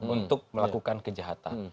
untuk melakukan kejahatan